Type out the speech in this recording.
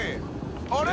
あれ？